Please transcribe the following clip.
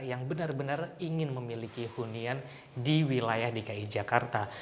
yang benar benar ingin memiliki hunian di wilayah dki jakarta